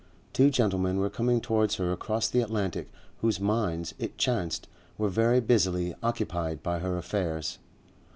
Two gentlemen were coming towards her across the Atlantic whose minds, it chanced, were very busily occupied by her affairs.